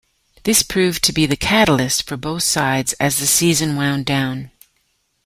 This proved to be the catalyst for both sides as the season wound down.